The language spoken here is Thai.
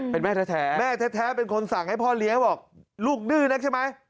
เป็นแม่แท้แม่แท้เป็นคนสั่งให้พ่อเลี้ยงบอกลูกดื้อนะใช่ไหม